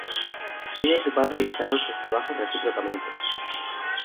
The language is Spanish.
Ella y su padre editaron sus trabajos recíprocamente.